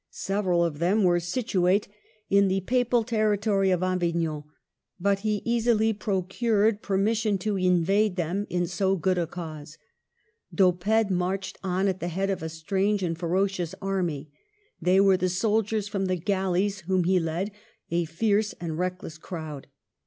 Several of them were DOWNFALL. 269 situate in the Papal territory of Avignon, but he easily procured permission to invade them in so good a cause. D'Oppede marched on at the head of a strange and ferocious army ; they were the soldiers from the galleys whom he led, a fierce and reckless crowd.